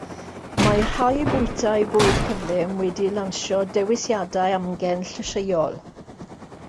Mae rhai bwytai bwyd cyflym wedi lansio dewisiadau amgen llysieuol.